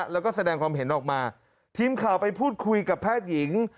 แล้วก็แสดงความเห็นออกมาทีมข่าวไปพูดคุยกับแพทย์หญิง